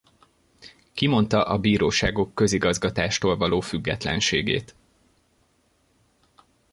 Kimondta a bíróságok közigazgatástól való függetlenségét.